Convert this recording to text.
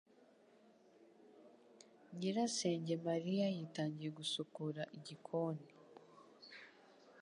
Nyirasenge Mariya yitangiye gusukura igikoni